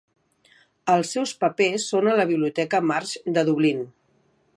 Els seus papers són a la biblioteca Marsh de Dublín.